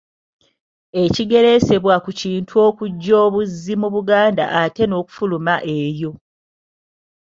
Ekigereesebwa ku Kintu okujja obuzzi mu Buganda ate n'okufuluma eyo.